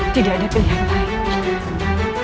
tidak ada pilihan lain